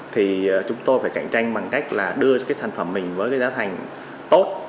thì chúng tôi phải cạnh tranh bằng cách đưa sản phẩm mình với giá thành tốt